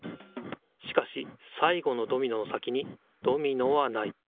しかし最後のドミノの先にドミノはない。